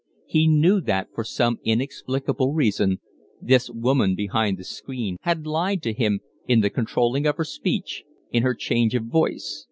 He knew that, for some inexplicable reason, this woman behind the screen had lied to him in the controlling of her speech, in her charge of voice.